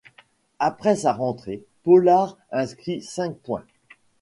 Après sa rentrée, Pollard inscrit cinq points.